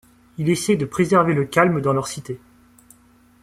Il essaie de préserver le calme dans leur cité.